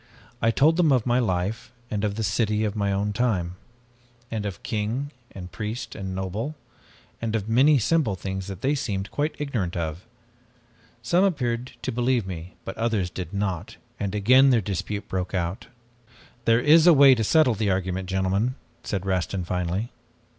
I told them of my life, and of the city of my own time, and of king and priest and noble, and of many simple things that they seemed quite ignorant of. Some appeared to believe me but others did not, and again their dispute broke out. "'There is a way to settle the argument, gentlemen,' said Rastin finally.